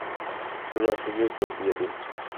সোজাসুজি উত্তর দিয়ে দিন!